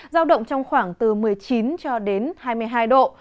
giao động trong khoảng từ một mươi chín cho đến hai mươi hai độ